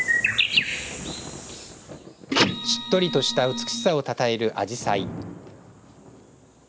しっとりとした美しさをたたえるあじさい。